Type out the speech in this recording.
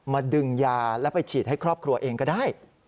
ดึงยาแล้วไปฉีดให้ครอบครัวเองก็ได้